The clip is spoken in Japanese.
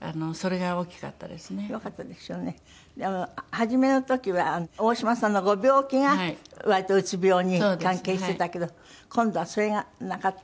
初めの時は大島さんのご病気が割とうつ病に関係してたけど今度はそれがなかった。